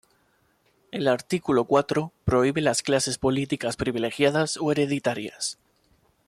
El artículo cuatro prohíbe las clases políticas privilegiadas o hereditarias.